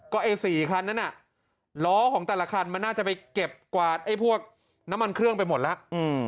ก็ไอ้๔คันนั้นน่ะล้อของแต่ละคันมันน่าจะไปเก็บกวาดไอ้พวกน้ำมันเครื่องไปหมดแล้ว